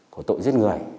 của tội giết người